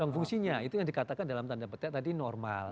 dan fungsinya itu yang dikatakan dalam tanda petik tadi normal